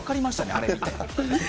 あれを見て。